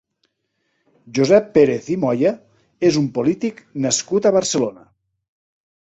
Josep Pérez i Moya és un polític nascut a Barcelona.